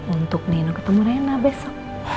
untuk neno ketemu rena besok